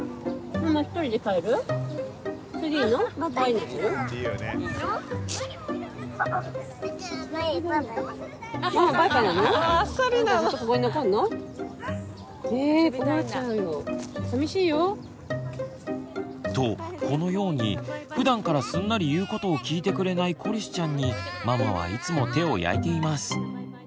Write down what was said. ママバイバイする？とこのようにふだんからすんなり言うことを聞いてくれないコリスちゃんにママはいつも手を焼いています。